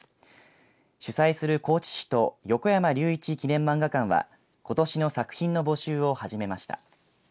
主催する高知市と横山隆一記念まんが館はことしの作品の募集を始めました。